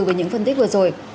với những phân tích vừa rồi